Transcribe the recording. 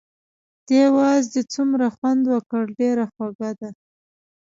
دې وازدې څومره خوند وکړ، ډېره خوږه ده.